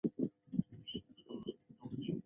曾就读于巴黎大学。